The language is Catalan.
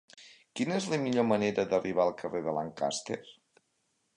Quina és la millor manera d'arribar al carrer de Lancaster?